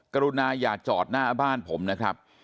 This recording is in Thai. กรุณาอย่าจอดหน้าบ้านผมนะครับ